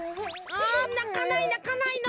ああなかないなかないの。